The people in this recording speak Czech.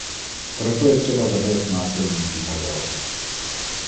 Proto je třeba zavést následující model.